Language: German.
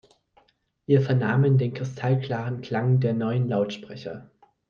Wir vernahmen den kristallklaren Klang der neuen Lautsprecher.